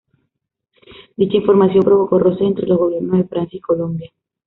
Dicha información provocó roces entre los gobiernos de Francia y Colombia.